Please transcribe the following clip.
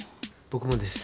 僕もです。